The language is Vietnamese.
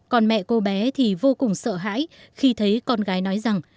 còn mẹ cô bé thì vô cùng sợ hãi khi thấy con gái nói rằng